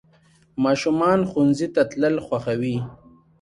ماشومان ښوونځي ته تلل خوښوي.